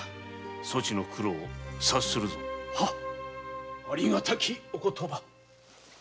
そちの苦労察するぞ。はありがたきお言葉。